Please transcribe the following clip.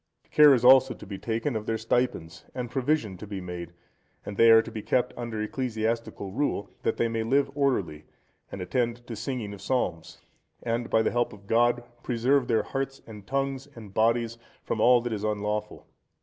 Care is also to be taken of their stipends, and provision to be made, and they are to be kept under ecclesiastical rule, that they may live orderly, and attend to singing of psalms, and, by the help of God, preserve their hearts and tongues and bodies from all that is unlawful.